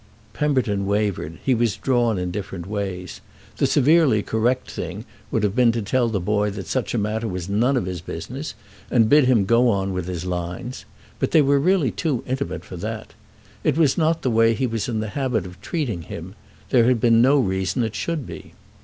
Pemberton wavered—he was drawn in different ways. The severely correct thing would have been to tell the boy that such a matter was none of his business and bid him go on with his lines. But they were really too intimate for that; it was not the way he was in the habit of treating him; there had been no reason it should be.